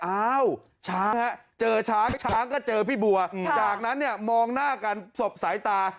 อ้าวช้างฮะเจอช้างช้างก็เจอพี่บัวจากนั้นเนี่ยมองหน้ากันสบสายตา